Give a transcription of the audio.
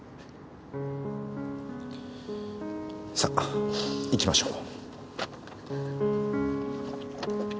さあ行きましょう。